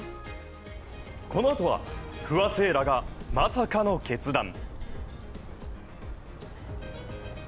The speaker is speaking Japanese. このあとは不破聖衣来がまさかの決断。